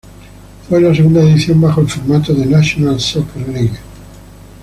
Fue la segunda edición bajo el formato de "National Soccer League".